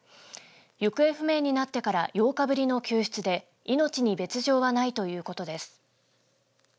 行方不明になってから８日ぶりの救出で命に別状はないということです。